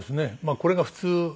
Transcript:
これが普通で。